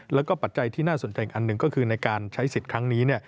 แล้วก็ปัจจัยที่น่าสนใจอีกอันหนึ่งก็คือในการใช้สิทธิ์ครั้งนี้